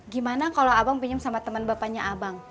gimana kalau abang pinjam sama temen bapanya abang